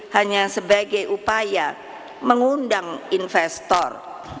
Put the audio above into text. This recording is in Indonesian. hanya sebagai upaya mengundang investor